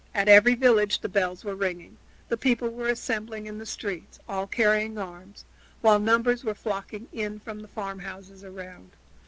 At every village the bells were ringing, the people were assembling in the streets, all carrying arms, while numbers were flocking in from the farmhouses around.